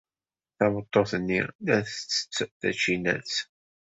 Tameṭṭut-nni la tettett tacinat.